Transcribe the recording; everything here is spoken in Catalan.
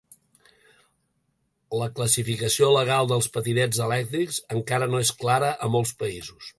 La classificació legal dels patinets elèctrics encara no és clara a molts països.